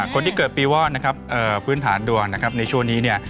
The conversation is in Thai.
คนที่เกิดปีวอดนะครับพื้นฐานดวงนะครับในช่วงนี้เนี่ย